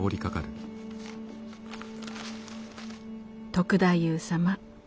「篤太夫様。